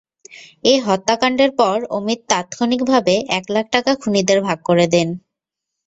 এ হত্যাকাণ্ডের পর অমিত তাৎক্ষণিকভাবে এক লাখ টাকা খুনিদের ভাগ করে দেন।